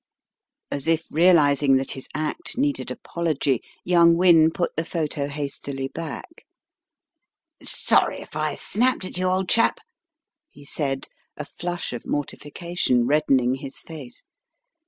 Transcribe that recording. As if realizing that his act needed apology, young Wynne put the photo hastily back. "Sorry I snapped at you, old chap," he said, a flush of mortification reddening his face.